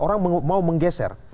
orang mau menggeser